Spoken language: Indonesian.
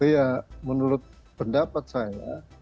ya menurut pendapat saya